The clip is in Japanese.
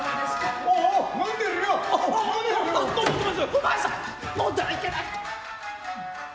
お前さんのんだらいけない。